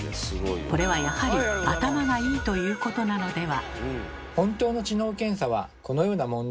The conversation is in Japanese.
これはやはり「頭がいい」ということなのでは？